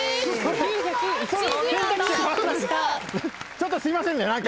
ちょっとすいませんね何か。